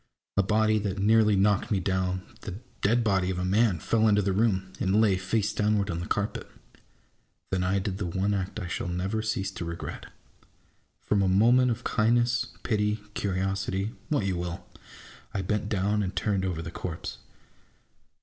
A body that nearly knocked me down, the dead body of a man, fell into the room, and lay, face downward, on the carpet. Then I did the one act I shall never cease to regret : From a movement of kindness, pity, curiosity, what you will ! I bent down and turned over the corpse.